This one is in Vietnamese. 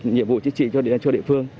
nhiệm vụ chức trị cho địa phương